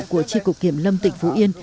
của tri cục kiểm lâm tỉnh phú yên